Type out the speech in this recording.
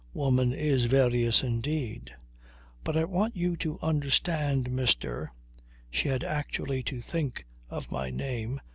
Woman is various indeed. "But I want you to understand, Mr. ..." she had actually to think of my name